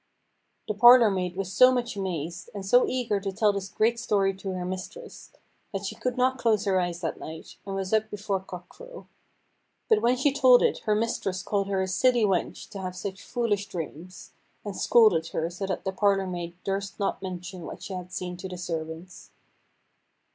The parlour maid was so much amazed, and so eager to tell this great story to her mistress, that she could not close her eyes that night, and was up before cock crow. But when she told it, her mistress called her a silly wench to have such foolish dreams, and scolded her so that the parlour maid durst not mention what she had seen to the servants.